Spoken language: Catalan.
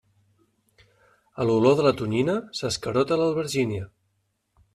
A l'olor de la tonyina s'escarota l'albergina.